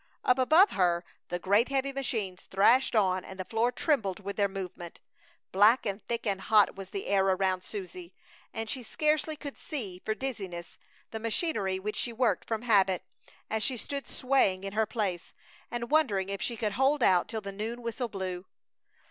Up above her the great heavy machines thrashed on and the floor trembled with their movement. Black and thick and hot was the air around Susie and she scarcely could see, for dizziness, the machinery which she worked from habit, as she stood swaying in her place, and wondering if she could hold out till the noon whistle blew.